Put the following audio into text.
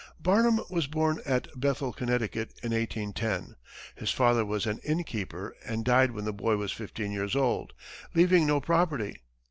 Barnum was born at Bethel, Connecticut, in 1810. His father was an inn keeper and died when the boy was fifteen years old, leaving no property.